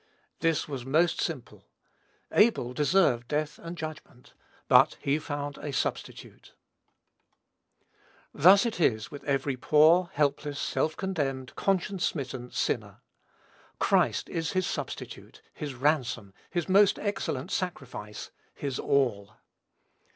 This was most simple. Abel deserved death and judgment, but he found a substitute. Thus is it with every poor, helpless, self condemned, conscience smitten sinner. Christ is his substitute, his ransom, his most excellent sacrifice, his ALL.